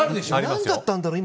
何だったんだろう